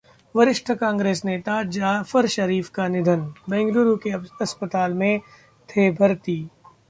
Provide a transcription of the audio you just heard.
वरिष्ठ कांग्रेस नेता जाफर शरीफ का निधन, बेंगलुरु के अस्पताल में थे भर्ती